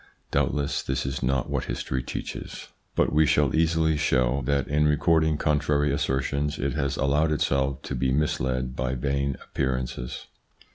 Doubtless this is not what history teaches, but we xx INTRODUCTION shall easily show that in recording contrary assertions it has allowed itself to be misled by vain appearances.